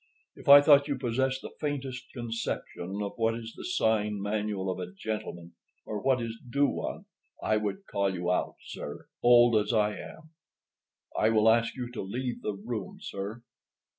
If I thought you possessed the faintest conception of what is the sign manual of a gentleman, or what is due one, I would call you out, sir, old as I am. I will ask you to leave the room, sir."